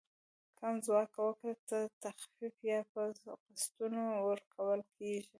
کم ځواکه وګړو ته تخفیف یا په قسطونو ورکول کیږي.